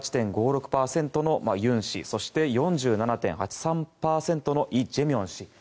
４８．５６％のユン氏そして４７．８３％のイ・ジェミョン氏。